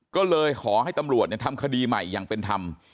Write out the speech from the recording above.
ก็เลยขอให้ตำรวจทำคดีใหม่อย่างเป็นธรรม